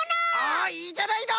あいいじゃないの！